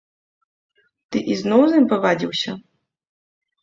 Ты ізноў з ім павадзіўся?